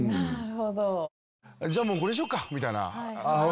じゃあもうこれにしよっかみたいな。